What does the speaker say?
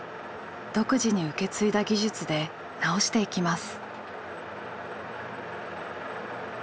独自に受け継いだ技術で直していきます。